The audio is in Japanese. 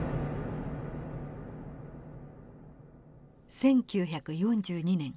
１９４２年。